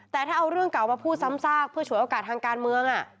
แต่ถ้าเอาเรื่องเก่ามาพูดซ้ำซากเพื่อฉวยโอกาสทางการเมือง